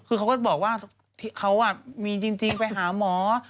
คือเขาก็บอกว่าเขามีจริงไปหาหมอ